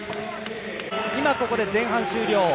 ここで前半終了。